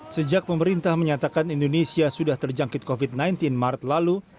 sejak pemerintah menyatakan indonesia sudah terjangkit covid sembilan belas maret lalu